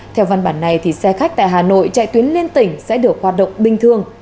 theo văn bản này xe khách tại hà nội chạy tuyến liên tỉnh sẽ được hoạt động bình thường